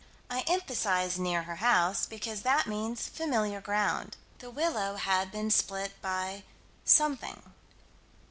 I emphasize "near her house" because that means familiar ground. The willow had been split by something.